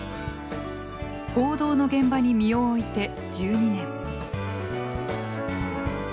報道の現場に身を置いて１２年。